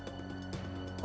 untuk lebih aman